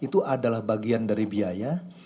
itu adalah bagian dari biaya